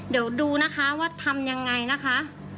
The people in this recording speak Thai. เดี๋ยวดูนะคะว่าทำยังไงนะคะ